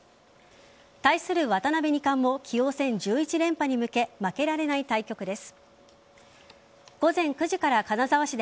対する渡辺二冠も棋王戦１１連覇に向け負けられない対局です。